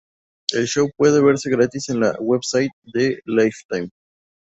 El show puede verse gratis en la website de Lifetime.